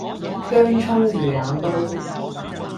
薑蔥魚腩煲